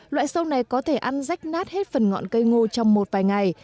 loại sâu này có thể ăn rách nát hết phần ngọn cây ngô trong một vài ngày